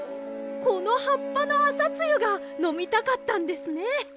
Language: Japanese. このはっぱのあさつゆがのみたかったんですね！